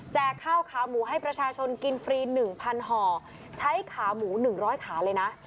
ข้าวขาหมูให้ประชาชนกินฟรี๑๐๐ห่อใช้ขาหมู๑๐๐ขาเลยนะ